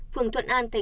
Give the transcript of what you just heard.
phường thuận an tp huế